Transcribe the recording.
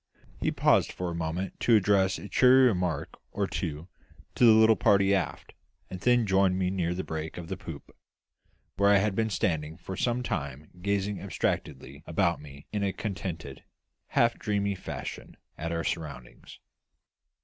He paused for a moment to address a cheery remark or two to the little party aft, and then joined me near the break of the poop, where I had been standing for some time gazing abstractedly about me in a contented, half dreamy fashion at our surroundings.